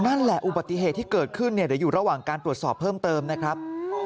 นั่นแหละอุบัติเหตุที่เกิดขึ้นเดี๋ยวอยู่ระหว่างการตรวจสอบเพิ่มเติมนะครับ